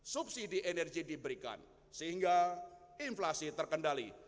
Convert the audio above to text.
subsidi energi diberikan sehingga inflasi terkendali